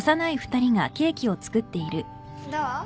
どう？